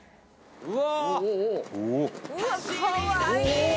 ・うわ！